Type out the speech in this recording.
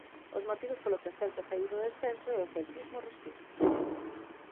Os motivos polos que o Celta saíu do descenso e o celtismo respira.